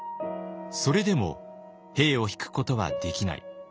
それでも兵を引くことはできない。